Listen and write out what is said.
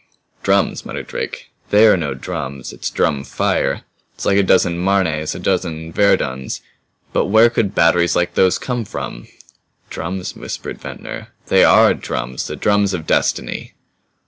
"Drums?" muttered Drake. "THEY'RE no drums. It's drum fire. It's like a dozen Marnes, a dozen Verduns. But where could batteries like those come from?" "Drums," whispered Ventnor. "They ARE drums. The drums of Destiny!"